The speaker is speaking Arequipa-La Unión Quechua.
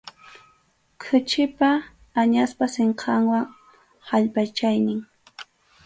Khuchipa, añaspa sinqanwan allpachaynin.